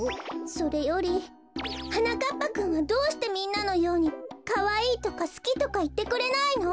それよりはなかっぱくんはどうしてみんなのように「かわいい」とか「すき」とかいってくれないの？